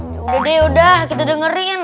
yaudah deh udah kita dengerin